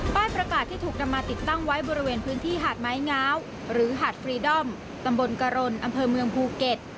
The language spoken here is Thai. ประกาศที่ถูกนำมาติดตั้งไว้บริเวณพื้นที่หาดไม้ง้าวหรือหาดฟรีดอมตำบลกรณอำเภอเมืองภูเก็ต